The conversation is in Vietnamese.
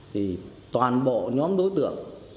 thì toàn bộ nhóm đối tượng